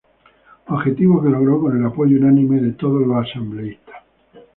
Objetivo que logró con el apoyo unánime de todos los asambleístas.